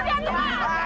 periksa aja pak